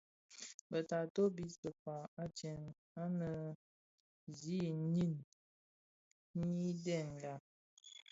Bë taato bis bekpag adyèm annë zi i niň niñdènga.